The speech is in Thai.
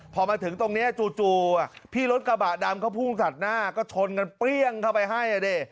พอมาถึงตรงนี้จู่พี่รถกระบะดำเขาพุ่งตัดหน้าก็ชนกันเปรี้ยงเข้าไปให้อ่ะดิ